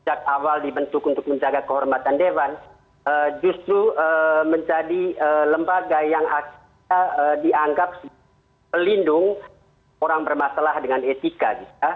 sejak awal dibentuk untuk menjaga kehormatan dewan justru menjadi lembaga yang akhirnya dianggap sebagai pelindung orang bermasalah dengan etika